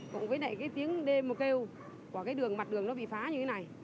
cũng với lại cái tiếng đêm kêu của cái đường mặt đường nó bị phá như thế này